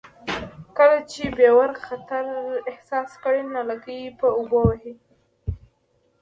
کله چې بیور خطر احساس کړي نو لکۍ په اوبو وهي